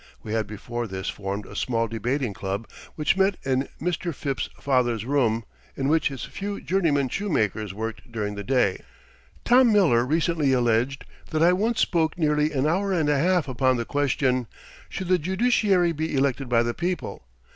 We had before this formed a small debating club which met in Mr. Phipps's father's room in which his few journeymen shoemakers worked during the day. Tom Miller recently alleged that I once spoke nearly an hour and a half upon the question, "Should the judiciary be elected by the people?"